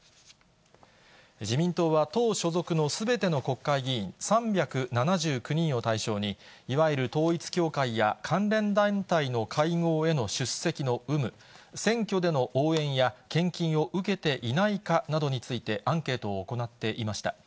自民党は、党所属のすべての国会議員３７９人を対象に、いわゆる統一教会や関連団体の会合への出席の有無、選挙での応援や献金を受けていないかなどについて、アンケートを行っていました。